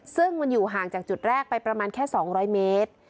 ซึ่งมันอยู่ห่างจากจุดแรกไปประมาณแค่๒๐๐เมตร